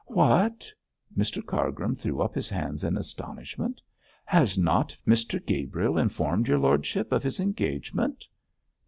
'What!' Mr Cargrim threw up his hands in astonishment. 'Has not Mr Gabriel informed your lordship of his engagement?'